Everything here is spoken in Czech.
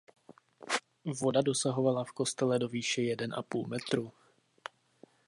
Voda dosahovala v kostele do výše jeden a půl metru.